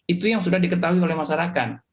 itu yang sudah diketahui oleh masyarakat